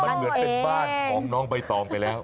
มันเหมือนเป็นบ้านของน้องใบตองไปแล้ว